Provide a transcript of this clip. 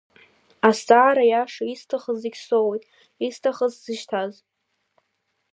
Азҵаара иаша Исҭахыз зегь соуит, исҭахыз-сзышьҭаз…